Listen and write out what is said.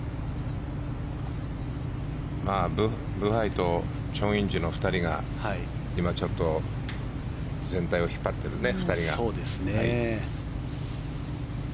ブハイとチョン・インジの２人が今、ちょっと全体を引っ張ってるね。